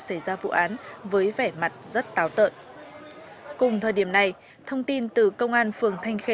xảy ra vụ án với vẻ mặt rất táo tợn cùng thời điểm này thông tin từ công an phường thanh khê